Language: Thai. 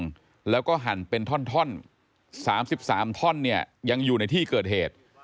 แล้วก็หั่นเป็นท่อน๓๓ท่อนเนี่ยยังอยู่ในที่เกิดเหตุ